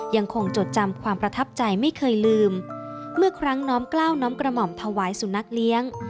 จดจำความประทับใจไม่เคยลืมเมื่อครั้งน้อมกล้าวน้อมกระหม่อมถวายสุนัขเลี้ยง